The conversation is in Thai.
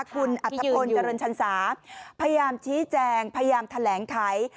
คุณอัธพลเจริญชันสาพยายามชี้แจงพยายามแถลงไข